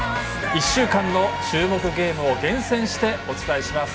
１週間の注目ゲームを厳選してお伝えします